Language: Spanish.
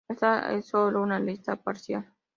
Esta es sólo una lista parcial.